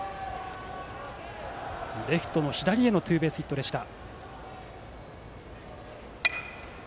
レフトの左へのツーベースヒットでした。